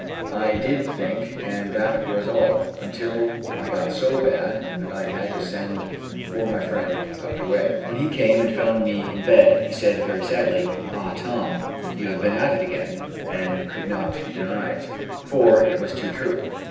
I did think, and that was all, until I got so bad that I had to send for my friend, Dr. Way. When he came and found me in bed, he said, very sadly, "Ah! Tom, you have been at it again," and I could not deny it; for it was too true.